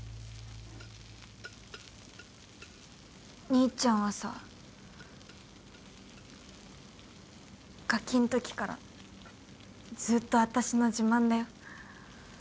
兄ちゃんはさ。がきんときからずっと私の自慢だよ。